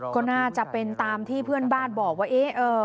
ก็น่าจะเป็นตามที่เพื่อนบ้านบอกว่าเอ๊ะ